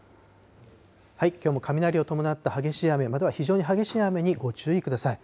きょうも雷を伴った激しい雨、または非常に激しい雨にご注意ください。